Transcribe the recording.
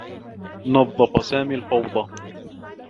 نظّف سامي الفوضى.